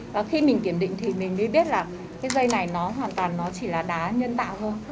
và khi mình kiểm định thì mình mới biết là cái dây này nó hoàn toàn nó chỉ là đá nhân tạo thôi